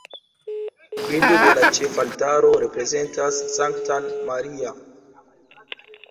Bildo de la ĉefaltaro prezentas Sanktan Maria.